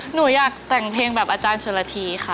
หนูอยากแต่งเพลงแบบอาจารย์ชนละทีค่ะ